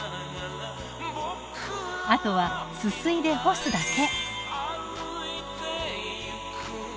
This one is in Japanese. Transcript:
あとはすすいで干すだけ。